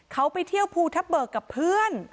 เขาไปเที่ยวภูทับเบิกกับเพื่อน